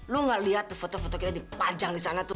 lu gak lihat foto foto kita dipajang di sana tuh